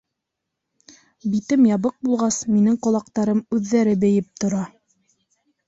Битем ябыҡ булғас, минең ҡолаҡтарым үҙҙәре бейеп тора.